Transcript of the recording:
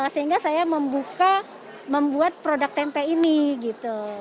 sehingga saya membuka membuat produk tempe ini gitu